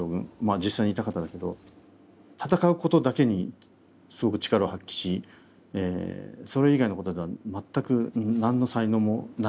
実際にいた方だけど戦うことだけにすごく力を発揮しそれ以外のことでは全く何の才能もない。